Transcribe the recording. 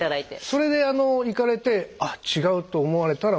それで行かれてあ違うと思われたら間違いない。